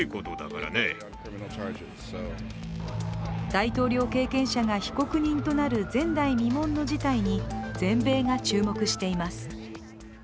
大統領経験者が被告人となる前代未聞の事態に全米が注目しています。